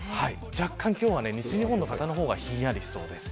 若干今日は西日本の方がひんやりそうです。